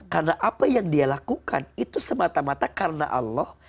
karena apa yang dia lakukan itu semata mata karena allah